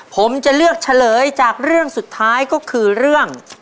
ผมจะเลือกเฉลยจากเรื่องสุดท้ายก็คือเรื่อง